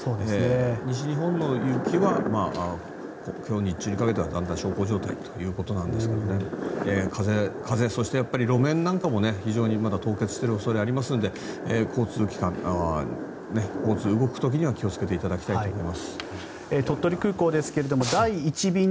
西日本の雪は今日日中にかけてはだんだん小康状態ということですが風、そして路面なんかも非常にまだ凍結している恐れがありますので交通機関、動く時には気をつけていただきたいと思います。